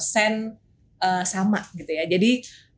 sama gitu ya jadi